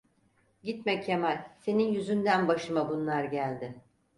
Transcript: Gitme Kemal, senin yüzünden başıma bunlar geldi.